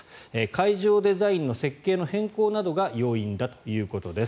会場デザインの設計の変更などが要因だということです。